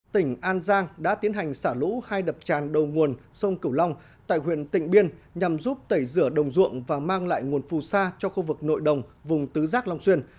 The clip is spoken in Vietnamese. tỉnh an giang đã tiến hành xả lũ hai đập tràn đầu nguồn sông cửu long tại huyện tịnh biên nhằm giúp tẩy rửa đồng ruộng và mang lại nguồn phù sa cho khu vực nội đồng vùng tứ giác long xuyên